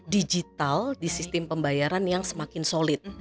digital di sistem pembayaran yang semakin solid